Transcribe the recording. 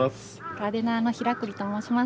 ガーデナーの平栗と申します。